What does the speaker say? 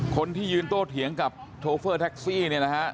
คนที่ยืนโต้เถียงกับโชเฟอร์แท็กซี่เนี่ยนะฮะ